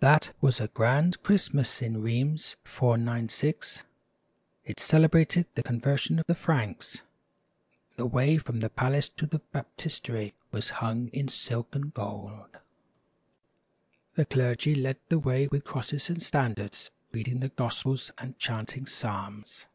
That was a grand Christmas in Rheims, 496. It cele brated the conversion of the Franks. The way from the palace to the baptistery was hung in silk and gold. The clergy led the way with crosses and standards, reading the gospels and chanting psalms.